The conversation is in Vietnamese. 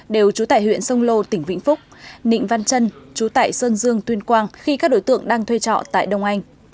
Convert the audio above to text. đều trú tại huyện sông lô tỉnh vĩnh phúc nịnh văn trân chú tại sơn dương tuyên quang khi các đối tượng đang thuê trọ tại đông anh